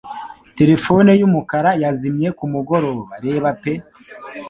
Terefone yumukara yazimye kumugoroba reba pe